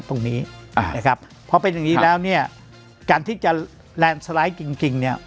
ตรงนี้อ่านะครับเพราะเป็นอย่างงี้แล้วเนี้ยการที่จะจริงจริงเนี้ย